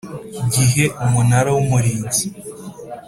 gihe Umunara w Umurinzi